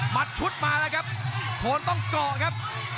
ชุดมาแล้วครับโคนต้องเกาะครับ